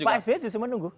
pak s b justru menunggu